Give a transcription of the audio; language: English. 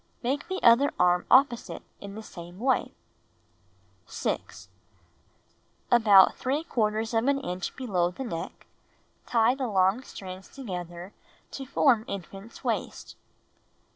Make the other arm opposite in the same way. 6. About f of an inch below the neck, tie the long strands together to form infant's waist.